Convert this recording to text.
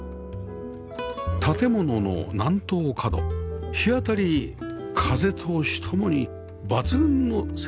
建物の南東角日当たり風通し共に抜群の洗濯室です